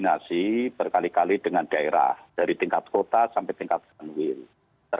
jadi tetapi kalau ada yang bisa kita balas ya kita akan bisa